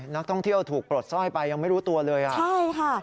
นับต้องเที่ยวถูกปลดซ่อยไปยังไม่รู้ตัวเลยค่ะ